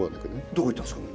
どこ行ったんすか？